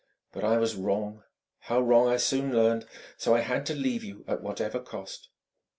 But I was wrong, how wrong I soon learned.... So I had to leave you at whatever cost!"